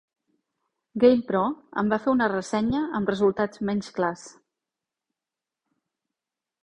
"GamePro" en va fer una ressenya amb resultats menys clars.